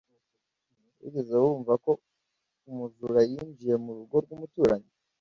Wigeze wumva ko umujura yinjiye mu rugo rw'umuturanyi?